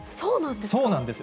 そうなんですか。